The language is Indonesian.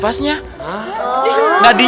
pada saat ini